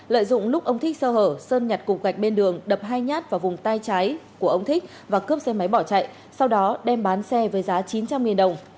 lợi dụng lúc ông thích sơ hở sơn nhặt cục gạch bên đường đập hai nhát vào vùng tay trái của ông thích và cướp xe máy bỏ chạy sau đó đem bán xe với giá chín trăm linh đồng